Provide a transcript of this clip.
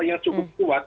yang cukup kuat